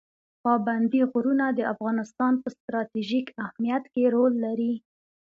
پابندي غرونه د افغانستان په ستراتیژیک اهمیت کې رول لري.